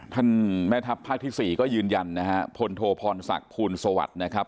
ท่านแม่ทัพภาคที่๔ก็ยืนยันนะฮะพลโทพรศักดิ์ภูลสวัสดิ์นะครับ